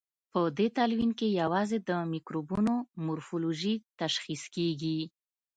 په دې تلوین کې یوازې د مکروبونو مورفولوژي تشخیص کیږي.